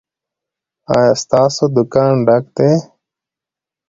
ایا ستاسو دکان ډک دی؟